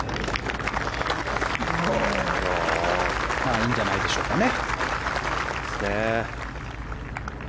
いいんじゃないでしょうかね。